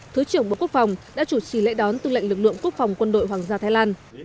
thứ trưởng bộ quốc phòng đã chủ trì lễ đón tư lệnh lực lượng quốc phòng quân đội hoàng gia thái lan